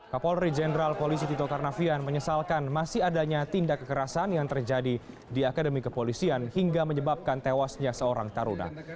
kapolri jenderal polisi tito karnavian menyesalkan masih adanya tindak kekerasan yang terjadi di akademi kepolisian hingga menyebabkan tewasnya seorang taruna